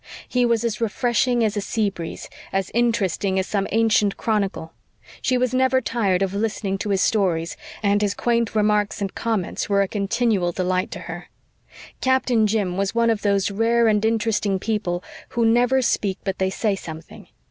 He was as refreshing as a sea breeze, as interesting as some ancient chronicle. She was never tired of listening to his stories, and his quaint remarks and comments were a continual delight to her. Captain Jim was one of those rare and interesting people who "never speak but they say something."